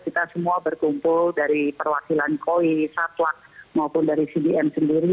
kita semua berkumpul dari perwakilan koi satlak maupun dari cdm sendiri